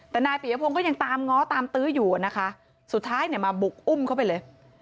แต่นายปียพงศ์ก็ยังตามง้อตามตื้ออยู่นะคะสุดท้ายเนี่ยมาบุกอุ้มเข้าไปเลย